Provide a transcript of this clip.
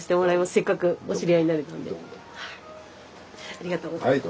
ありがとうございます。